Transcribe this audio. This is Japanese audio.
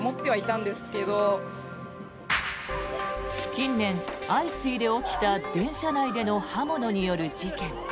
近年、相次いで起きた電車内での刃物による事件。